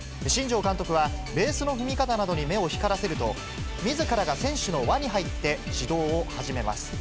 新庄監督はベースの踏み方などに目を光らせると、みずからが選手の輪に入って指導を始めます。